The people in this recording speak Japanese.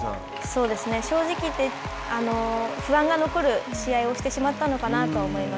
正直、不安が残る試合をしてしまったのかなと思います。